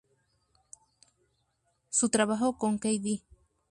Su trabajo con k.d.